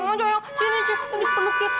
oh sayang sini sini peluki